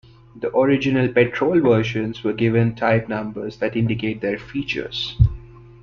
The original petrol versions were given type numbers that indicate their features.